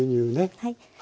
はい。